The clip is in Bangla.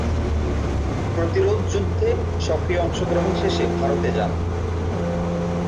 প্রতিরোধযুদ্ধে সক্রিয় অংশগ্রহণ শেষে ভারতে যান।